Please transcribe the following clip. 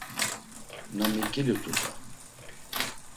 Na miǩilu tuta.